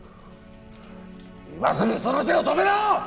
今すぐその手を止めろ！